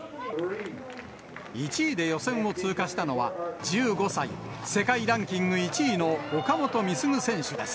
１位で予選を通過したのは、１５歳、世界ランキング１位の岡本碧優選手です。